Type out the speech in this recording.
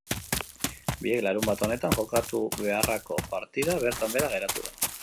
Biek larunbat honetan jokatu beharrako partida bertan behera geratu da.